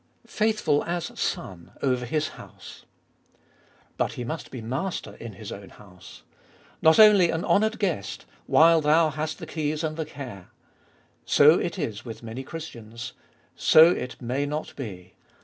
3. Faithful as Son over His house. But He must be Master in His own house. Not only an honoured guest, while thou hast the keys and the care. So it is with many Christians. So It may not be.